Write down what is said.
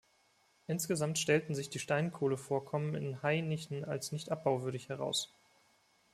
Insgesamt stellten sich die Steinkohlevorkommen in Hainichen als nicht abbauwürdig heraus.